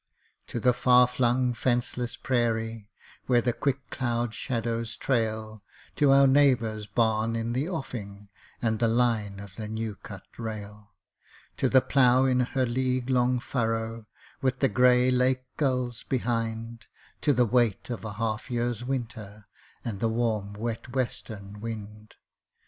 _ To the far flung fenceless prairie Where the quick cloud shadows trail, To our neighbour's barn in the offing And the line of the new cut rail; To the plough in her league long furrow With the gray Lake gulls behind To the weight of a half year's winter And the warm wet western wind!